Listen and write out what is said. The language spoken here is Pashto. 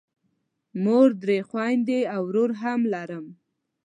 مور، درې خویندې او ورور هم لرم.